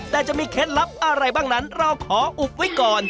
แต่จะมีเคล็ดลับอะไรบ้างนั้นเราขออุบไว้ก่อน